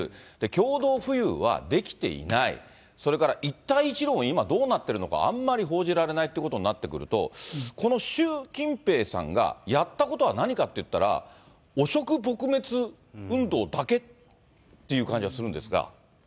共同富裕はできていない、それから一帯一路も今、どうなっているのか、あんまり報じられないってことになってくると、この習近平さんがやったことは何かっていったら、汚職撲滅運動だけっていう感じはするんですが。